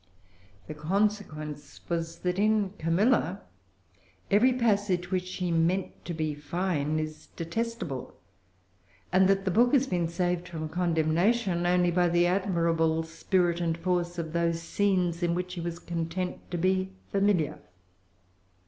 The consequence was, that in Camilla every passage which she meant to be fine is detestable; and that the book has been saved from condemnation only by the admirable spirit and force of those scenes in which she was content to be familiar.